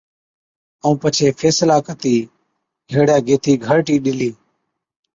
ائُون پڇي فيصلا ڪتِي هيڙَي گيهٿِي گھَرٽِي ڏِلِي۔